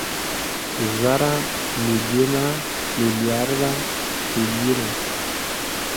زره، ميليونه، ميليارده، تريليونه